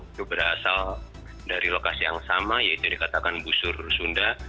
itu berasal dari lokasi yang sama yaitu dikatakan busur sunda